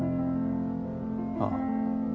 ああ。